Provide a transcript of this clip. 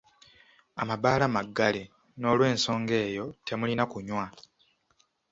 Amabaala maggale, n’olw’ensonga eyo temulina kunywa.